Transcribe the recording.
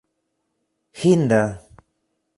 hinda